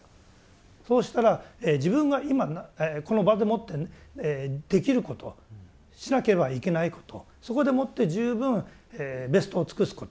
そうしたら自分が今この場でもってできることしなければいけないことそこでもって十分ベストを尽くすこと。